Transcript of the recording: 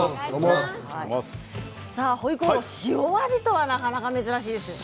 ホイコーロー、塩味とはなかなか珍しいですね。